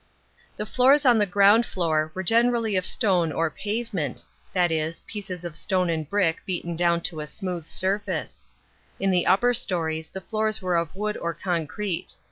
The floors on the ground floor were generally of stone or "pavement,"f that is, pieces of stone and brick beaten down to a smooth surface ; in the upper storeys the floors were of wood or concrete.